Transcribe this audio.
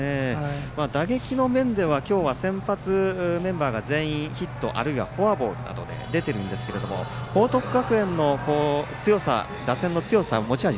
打撃の面では今日は先発メンバーが全員ヒットあるいはフォアボールなどで出ているんですけど報徳学園の打線の強さ、持ち味